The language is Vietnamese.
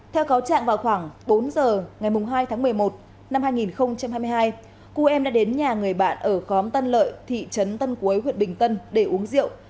theo cáo trạng vào khoảng bốn giờ ngày hai tháng một mươi một năm hai nghìn hai mươi hai cô em đã đến nhà người bạn ở khóm tân lợi thị trấn tân cuối huyện bình tân để uống rượu